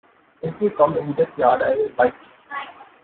If you come in this yard I will bite you.